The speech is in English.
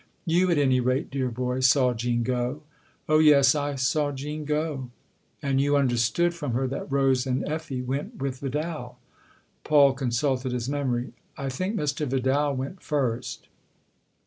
" You, at any rate, dear boy, .saw Jean go ?"" Oh, yes I saw Jean go." THE OTHER HOUSE 245 " And you understood from her that Rose and Effie went with Vidal ?" Paul consulted his memory. " I think Mr. Vidal went first."